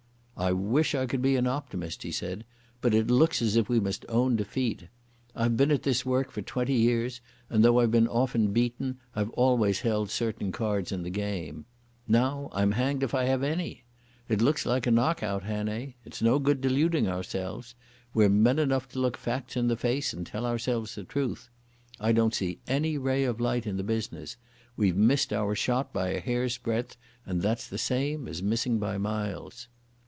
"I wish I could be an optimist," he said, "but it looks as if we must own defeat. I've been at this work for twenty years, and, though I've been often beaten, I've always held certain cards in the game. Now I'm hanged if I've any. It looks like a knock out, Hannay. It's no good deluding ourselves. We're men enough to look facts in the face and tell ourselves the truth. I don't see any ray of light in the business. We've missed our shot by a hairsbreadth and that's the same as missing by miles."